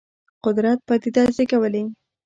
قدرت پدیده زېږولې.